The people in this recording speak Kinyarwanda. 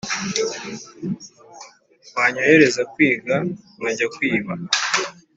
wanyohereza kwiga nkajya kwiba